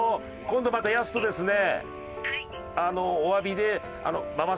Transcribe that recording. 今度またやすとですね